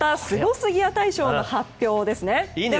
すぎや大賞の発表ですね。